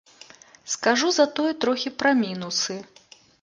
Скажу затое трохі пра мінусы.